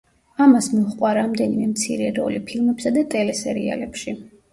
ამას მოჰყვა რამდენიმე მცირე როლი ფილმებსა და ტელესერიალებში.